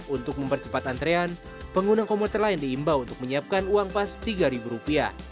untuk mempercepat antrean pengguna komuter lain diimbau untuk menyiapkan uang pas rp tiga